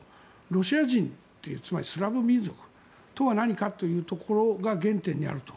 ロシア人、つまりスラブ民族とは何かというところが原点であると。